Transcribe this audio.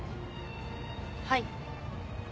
はい。